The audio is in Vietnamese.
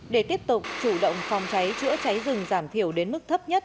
để tiếp tục chủ động phòng cháy chữa cháy rừng giảm thiểu đến mức thấp nhất